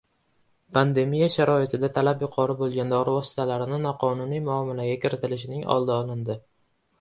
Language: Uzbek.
Pandemiya sharoitida talab yuqori bo‘lgan dori vositalarini noqonuniy muomalaga kiritilishining oldi olindi